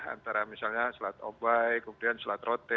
antara misalnya selat obai kemudian selat rote